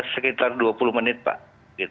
sekitar dua puluh menit pak